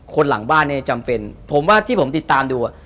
หลังบ้านเนี่ยจำเป็นผมว่าที่ผมติดตามดูอ่ะ